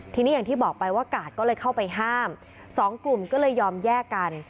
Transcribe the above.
ทีนี้อย่างที่บอกไปว่ากาดก็เลยเข้าไปห้ามสองกลุ่มก็เลยยอมแยกกัน